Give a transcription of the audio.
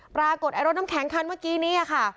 ปรากฏไอ้รถน้ำแข็งคันเมื่อกี้นี้ค่ะ